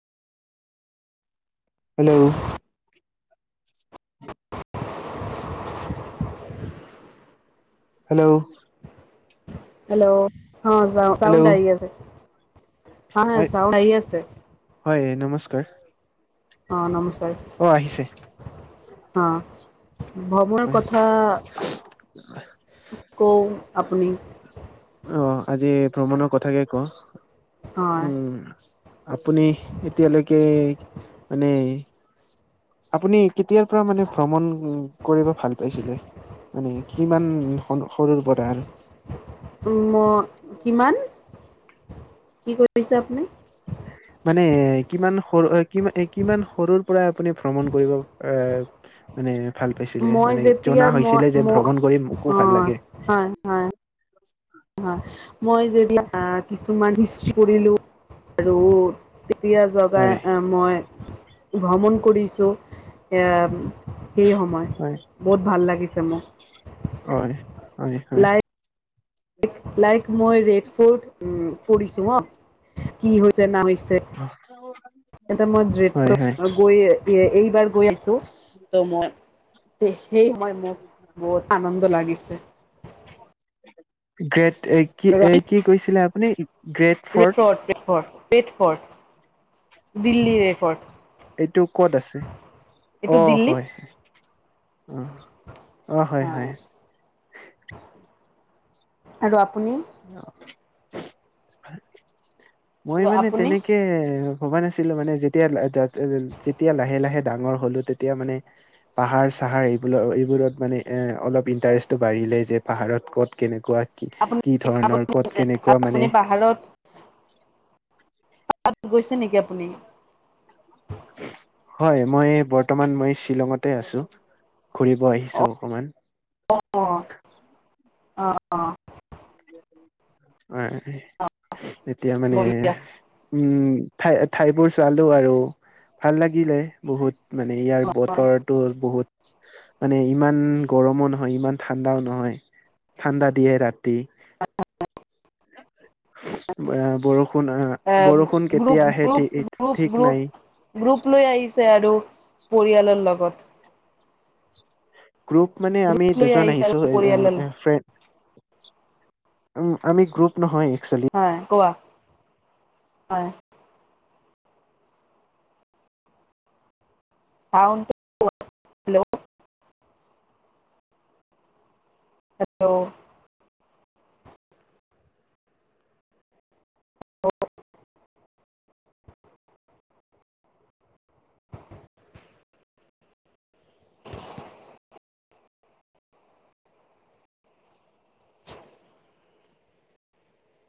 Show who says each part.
Speaker 1: Hello hello
Speaker 2: hello অ চাউণ্ড
Speaker 1: hello
Speaker 2: আহ গ আছে হা হা
Speaker 1: হয়
Speaker 2: চাওন আহি আছে
Speaker 1: হয় নমস্কাৰ
Speaker 2: অ
Speaker 1: অ আহিছে
Speaker 2: নমস্কাৰ হ ভ্ৰমৰ
Speaker 1: হয়
Speaker 2: কথা। ক আপুনি।
Speaker 1: অ আজি ভ্ৰমণৰ কথাকে ক
Speaker 2: হয়
Speaker 1: উম আপুনি এতিয়ালৈকে মানে আপুনি কেতিয়াৰ পৰা মানে ভ্ৰমণ কৰিব ভাল পাইছিলে মানে কিমান সৰুৰ পৰা আৰু
Speaker 2: ম কিমান কি কৰিছে আপুনি।
Speaker 1: মানে কিমান সৰু কি কিমান সৰুৰ পৰা আপুনি ভ্ৰমণ কৰিব এ মানে ভাল পাইছিলে
Speaker 2: মই
Speaker 1: মানে
Speaker 2: যেতিয়া
Speaker 1: জনা
Speaker 2: মই
Speaker 1: হৈছিলে
Speaker 2: ম
Speaker 1: যে ভ্ৰমণ কৰি মোকো ভাল
Speaker 2: হয়
Speaker 1: লাগে
Speaker 2: হয় হয় হয় মই যেতিয়া কিছুমান হিষ্টি কৰিলো আৰু তেতিয়া
Speaker 1: হয়
Speaker 2: জগাই মই ভ্ৰমণ কৰিছোঁ। সেই সময়
Speaker 1: হয়
Speaker 2: বহুত ভাল লাগিছে মোক
Speaker 1: হয় হয়জ হয়ৰি
Speaker 2: লাই লাইক মই ৰেড ফৰ্ট উ কৰিছো অ কি হৈছে না হৈছে
Speaker 1: অ
Speaker 2: এটা মই ড্ৰেড ফ গৈ এইবাৰ গৈ আছো ত' মই সেই সময় মোক বহুত আনন্দ লাগিছে।
Speaker 1: গ্ৰেট এ কি এ কি কৈছিলে আপুনি। গ্ৰেট ফৰ্ট
Speaker 2: ফ ৰেফৰ্ট দিল্লী ৰেফৰ্ট
Speaker 1: এইটো কত আছে
Speaker 2: এইটো
Speaker 1: অ
Speaker 2: দিল্লী
Speaker 1: হয় আহ আহ হয় হয়
Speaker 2: আৰু আপুনি
Speaker 1: অ মই
Speaker 2: আৰু
Speaker 1: মানে
Speaker 2: আপুনি
Speaker 1: তেনেকে ভবা নাছিলো মানে যেতিয়া যেতিয়া লাহে লাহে ডাঙৰ হলো তেতিয়া মানে পাহাৰ। চাহাৰ এইবোৰৰ এইবোৰত মানে অলপ ইণ্টাৰেষ্টটো বাঢ়িলে যে পাহাৰত ক'ত কেনেকুৱা। কি
Speaker 2: আপুনি
Speaker 1: কি ধৰণৰ
Speaker 2: আপুনি
Speaker 1: কত কেনেকুৱা মানে।
Speaker 2: তাত গৈছে নেকি আপুনি।
Speaker 1: হয় মই বৰ্তমান মই শ্বিলঙতে আছো। ঘুৰিব
Speaker 2: অ
Speaker 1: আহিছো অকমান।
Speaker 2: অ আহ অ [inaudible]
Speaker 1: হয়
Speaker 2: অ
Speaker 1: এতিয়া মানে
Speaker 2: বঢ়িয়া
Speaker 1: উম ঠাই ঠাইবোৰ চালো আৰু ভাল লাগিলে বহুত। মানে ইয়াৰ বতৰটো বহুত মানে ইমান গৰমো নহয় ইমান ঠাণ্ডাও নহয়। ঠাণ্ডা দিয়ে ৰাতি বৰষুণ আহ
Speaker 2: এ
Speaker 1: বৰষুণ
Speaker 2: গ্ৰুপ
Speaker 1: কেতিয়া আহে
Speaker 2: গ্ৰুপ গ্ৰুপ
Speaker 1: ঠিক
Speaker 2: গ্ৰুপ
Speaker 1: নাই।
Speaker 2: গ্ৰুপ লৈ আহিছে আৰু পৰিয়ালৰ লগত।
Speaker 1: গ্ৰুপ মানে আমি
Speaker 2: গ্ৰুপ লৈ
Speaker 1: দুজন
Speaker 2: আহিছে
Speaker 1: আহিছো
Speaker 2: আৰু পৰিয়ালৰ
Speaker 1: ফ্ৰেণ্ড। উম আমি গ্ৰুপ নহয়। একচুৱেলি
Speaker 2: হয় কোৱা [unintelligible] াউণ্ড হেল্ল' হেল্ল'